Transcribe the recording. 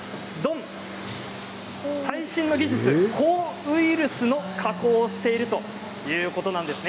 最新の技術、抗ウイルスの加工をしているということなんです。